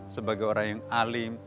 sebagai orang yang alim